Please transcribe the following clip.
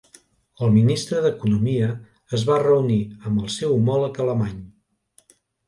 El ministre d'economia es va reunir amb el seu homòleg alemany.